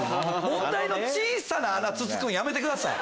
問題の小さな穴つつくのやめてください。